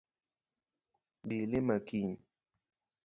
Bi ilima kiny